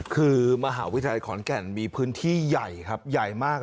คือมหาวิทยาลัยขอนแก่นมีพื้นที่ใหญ่ครับใหญ่มาก